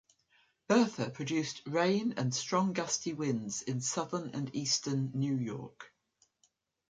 Bertha produced rain and strong gusty winds in southern and eastern New York.